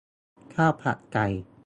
ข้าวผัดไก่